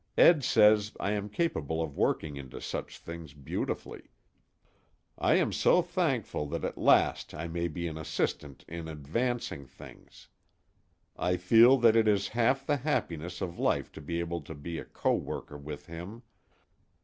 Ed says I am capable of working into such things beautifully. I am so thankful that at last I may be an assistant in advancing things. I feel that it is half the happiness of life to be able to be a co worker with him.